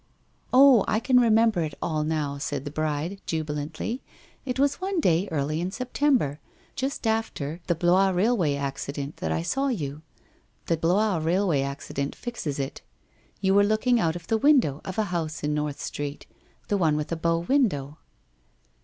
' Oh, I can remember it all now,' said the bride, jubi lantly. ' It was one day early in September, just after the Blois railway accident, that I saw you. The Blois rail way accident fixes it. You were looking out of the window of a house in North Street — the one with a bow window.'